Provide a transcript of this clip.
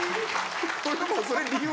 俺もそれ理由。